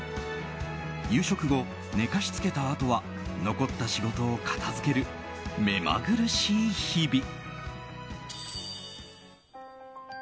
夕食後、寝かしつけたあとは残った仕事を片付けるめまぐるしい日々。